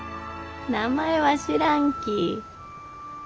名前は知らんき。